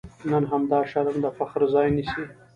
نن همدا شرم د فخر ځای نیسي.